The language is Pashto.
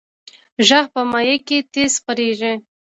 غږ په مایع کې تیز خپرېږي.